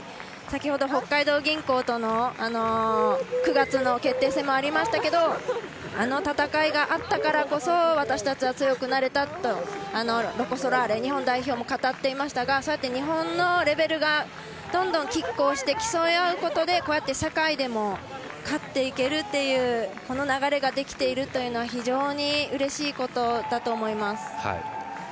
先ほど、北海道銀行との９月の決定戦もありましたがあの戦いがあったからこそ私たちは強くなれたとロコ・ソラーレ日本代表も語っていましたがそうやって日本のレベルがどんどんきっ抗して競い合うことでこうやって世界でも勝っていけるというこの流れができているのはうれしいことだと思います。